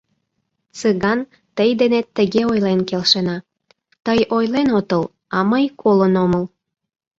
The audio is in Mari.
— Цыган, тый денет тыге ойлен келшена: тый ойлен отыл, а мый колын омыл.